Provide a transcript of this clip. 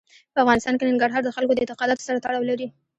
په افغانستان کې ننګرهار د خلکو د اعتقاداتو سره تړاو لري.